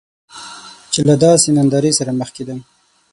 چې له داسې نندارې سره مخ کیدم.